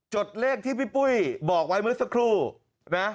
เลขที่พี่ปุ้ยบอกไว้เมื่อสักครู่นะ